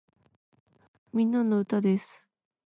みんなの歌です